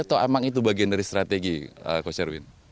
atau emang itu bagian dari strategi coach erwin